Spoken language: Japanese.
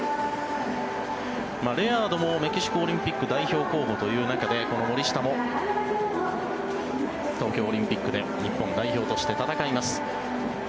レアードもメキシコオリンピック代表候補という中でこの森下も東京オリンピックで日本代表として戦います。